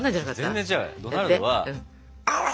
全然違うよ。